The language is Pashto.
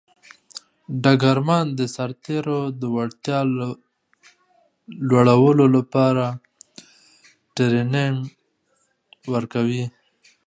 ډګرمن د سرتیرو د وړتیا لوړولو لپاره ټرینینګ ورکوي.